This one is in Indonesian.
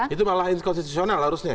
itu malah inkonstitusional harusnya